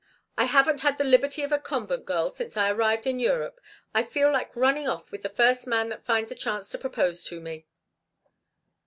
I haven't had the liberty of a convent girl since I arrived in Europe. I feel like running off with the first man that finds a chance to propose to me."